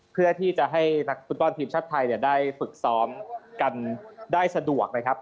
เพื่อที่จะให้นักฟุตบอลทีมชาติไทยได้ฝึกซ้อมกันได้สะดวกนะครับ